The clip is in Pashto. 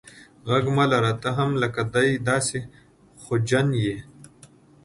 ږغ مه لره ته هم لکه دی داسي خوجن یې.